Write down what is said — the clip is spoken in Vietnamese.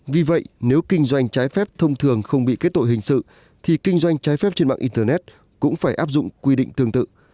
vì vậy nếu kinh doanh trái phép thông thường không bị kết tội hình sự thì kinh doanh trái phép trên mạng internet cũng phải áp dụng quy định tương tự